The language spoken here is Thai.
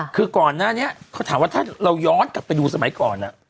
คือก่อนหน้านี้เขาถามว่าถ้าเราย้อนกลับไปดูสมัยก่อน